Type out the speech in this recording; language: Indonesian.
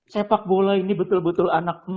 sepak bola ini betul betul anak